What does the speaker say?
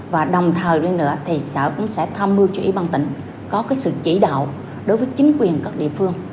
và đồng thời lên nữa thì sở cũng sẽ tham mưu cho ủy ban tỉnh có sự chỉ đạo đối với chính quyền các địa phương